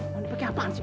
mandi pake apaan sih